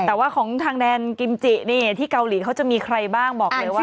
แต่ว่าของทางแดนกิมจินี่ที่เกาหลีเขาจะมีใครบ้างบอกเลยว่า